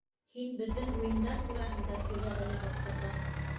—Һин беҙҙең уйындар тураһында һөйлә әле был ҡыҙға...